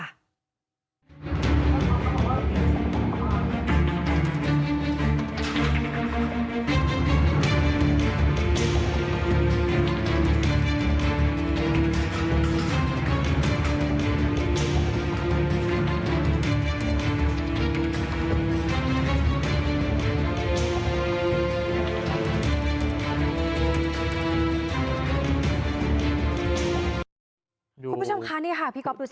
คุณผู้ชมคะนี่ค่ะพี่ก๊อปดูสิ